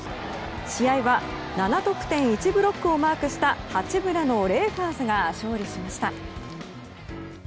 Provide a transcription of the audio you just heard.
試合は７得点１ブロックをマークした八村のレイカーズが勝利しました。